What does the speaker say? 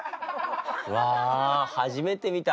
うわ初めて見た。